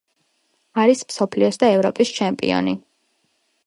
არის მსოფლიოს და ევროპის ჩემპიონი.